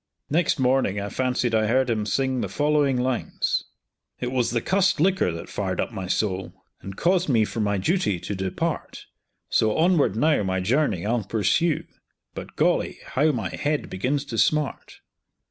Next morning I fancied I heard him sing the following lines: "It was the cussed liquor that fired up my soul, And caused me from my duty to depart; So onward now my journey I'll pursue But, golly! how my head begins to smart!